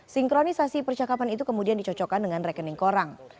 sinkronisasi percakapan itu kemudian dicocokkan dengan rekening korang